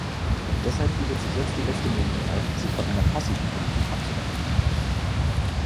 Deshalb bietet sich jetzt die letzte Möglichkeit, sich von einer passiven Politik abzuwenden.